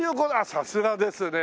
さすがですね。